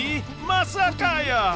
まさかやー！